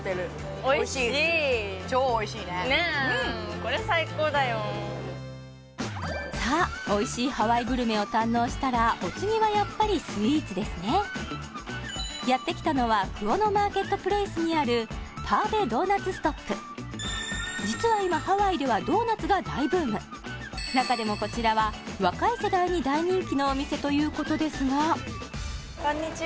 おいしいですさあおいしいハワイグルメを堪能したらお次はやっぱりスイーツですねやって来たのはクオノ・マーケットプレイスにある実は今中でもこちらは若い世代に大人気のお店ということですがこんにちは